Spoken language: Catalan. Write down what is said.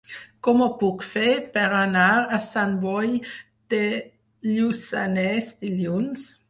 Com ho puc fer per anar a Sant Boi de Lluçanès dilluns?